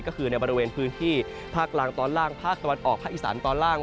ก็คือในบริเวณพื้นที่ภาคกลางตอนล่างภาคตะวันออกภาคอีสานตอนล่าง